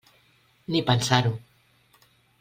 Ni pensar-ho.